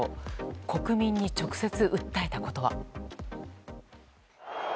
国民に直接訴えたことは。